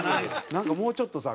なんかもうちょっとさ